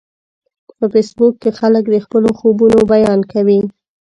په فېسبوک کې خلک د خپلو خوبونو بیان کوي